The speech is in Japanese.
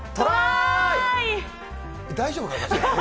大丈夫かな。